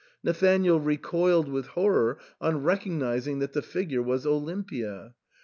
Nathanael recoiled with horror on recognising that the figure was Olimpia.